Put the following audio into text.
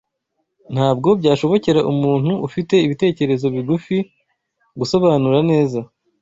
Ntabwo byashobokera umuntu ufite ibitekerezo bigufi gusobanura neza